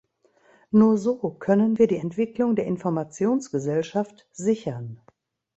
Nur so können wir die Entwicklung der Informationsgesellschaft sichern.